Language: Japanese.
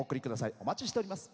お待ちしております。